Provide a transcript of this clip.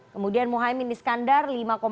kemudian muhyiddin iskandar lima tujuh